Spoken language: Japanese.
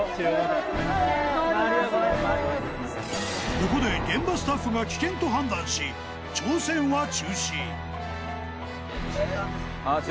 ［ここで現場スタッフが危険と判断し挑戦は中止］